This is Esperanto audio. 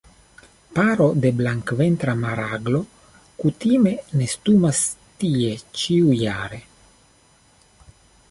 Paro de Blankventra maraglo kutime nestumas tie ĉiujare.